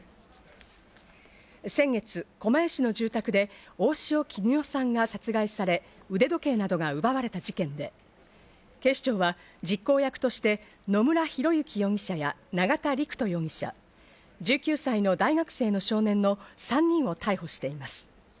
先月、狛江市の住宅で大塩衣与さんが殺害され、腕時計などが奪われた事件で、警視庁は実行役として野村広之容疑者や永田陸人容疑者、１９歳の大学生の少年の３人を逮捕しています。